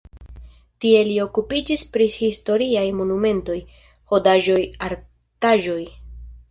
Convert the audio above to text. Tie li okupiĝis pri historiaj monumentoj, fondaĵoj, artaĵoj.